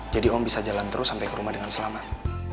jadi om bisa jalan terus sampai ke rumah dengan selamat